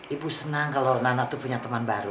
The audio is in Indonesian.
ibu senang kalau nana itu punya teman baru